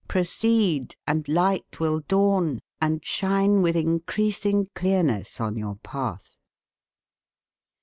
Proceed; and light will dawn, and shine with increasing clearness on your path."